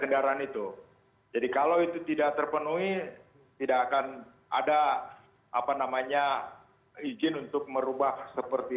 kendaraan itu jadi kalau itu tidak terpenuhi tidak akan ada apa namanya izin untuk merubah seperti